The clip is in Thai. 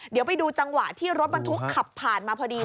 เดี๋ยวไปดูจังหวะที่รถบรรทุกขับผ่านมาพอดี